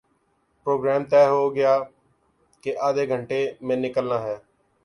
programme طے ہو گیا کہ آدھےگھنٹے میں نکلنا ہے